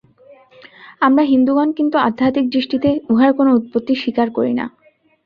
আমরা হিন্দুগণ কিন্তু আধ্যাত্মিক দৃষ্টিতে উহার কোন উৎপত্তি স্বীকার করি না।